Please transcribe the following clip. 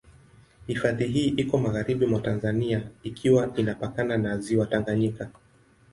Hifadhi hii iko magharibi mwa Tanzania ikiwa inapakana na Ziwa Tanganyika.